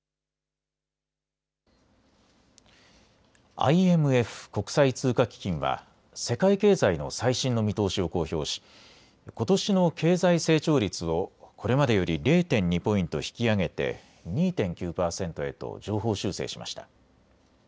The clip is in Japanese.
ＩＭＦ・国際通貨基金は世界経済の最新の見通しを公表しことしの経済成長率をこれまでより０．２ポイント引き上げて２．９％へと上方修正しました。